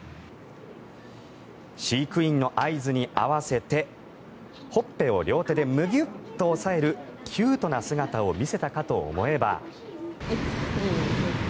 飼育員の合図に合わせてほっぺを両手でムギュッと押さえるキュートな姿を見せたかと思えば。